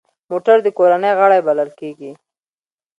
موټر د کورنۍ غړی بلل کېږي.